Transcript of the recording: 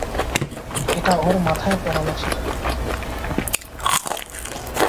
এটা ওর মাথায় পরানো ছিল।